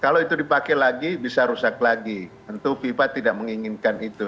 kalau itu dipakai lagi bisa rusak lagi tentu fifa tidak menginginkan itu